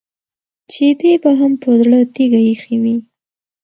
چې دې به هم په زړه تيږه اېښې وي.